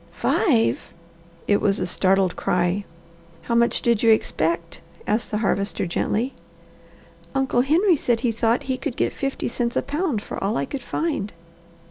"Five?" It was a startled cry. "How much did you expect?" asked the Harvester gently. "Uncle Henry said he thought he could get fifty cents a pound for all I could find."